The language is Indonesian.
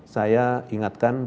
saya ingatkan bagi daerah